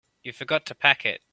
You forgot to pack it.